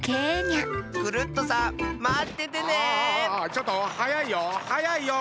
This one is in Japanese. ちょっとはやいよ。